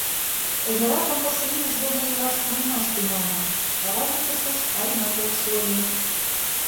Тыгеракын тысе илыш дене илаш тунемаш тӱҥална, варажым тышеч каймат ок шу ыле.